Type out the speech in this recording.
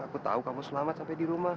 aku tahu kamu selamat sampai di rumah